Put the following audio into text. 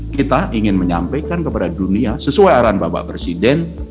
kita ingin menyampaikan kepada dunia sesuai arahan bapak presiden